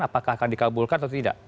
apakah akan dikabulkan atau tidak